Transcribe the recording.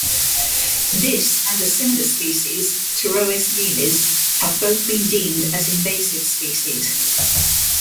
This and a similar species, "Pterois miles", have both been deemed as invasive species.